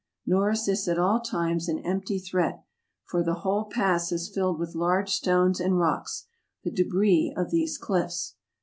Nor is this at all times an empty threat; for the whole pass is filled with large stones and rocks, the debris of these cliffs.